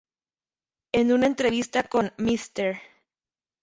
En una entrevista con Mr.